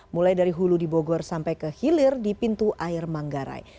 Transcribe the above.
mulai dari hulu di bogor sampai ke hilir di pintu air manggarai